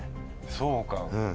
そうか。